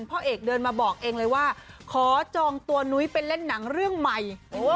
พ่อเอกเดินมาบอกเองเลยว่าขอจองตัวนุ้ยไปเล่นหนังเรื่องใหม่